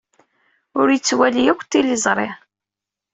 Ur yettwali akk tiliẓri.